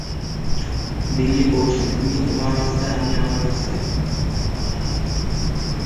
দিল্লী পৌঁছে, তুমি তোমার রাস্তায় আমি আমার রাস্তায়।